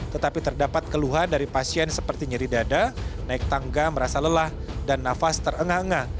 tetapi terdapat keluhan dari pasien seperti nyeri dada naik tangga merasa lelah dan nafas terengah engah